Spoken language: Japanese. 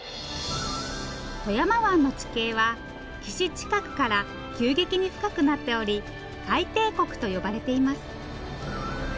富山湾の地形は岸近くから急激に深くなっており海底谷と呼ばれています。